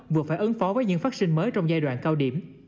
vừa phải ứng phó với những phát sinh mới trong giai đoạn cao điểm